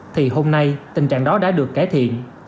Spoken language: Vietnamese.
thì hôm nay tình trạng đó đã được cải thiện